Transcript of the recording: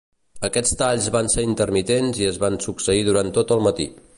Aquests talls van ser intermitents i es van succeir durant tot el mati.